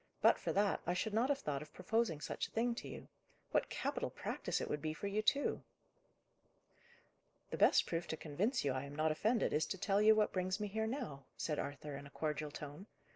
"But for that, I should not have thought of proposing such a thing to you. What capital practice it would be for you, too!" "The best proof to convince you I am not offended, is to tell you what brings me here now," said Arthur in a cordial tone.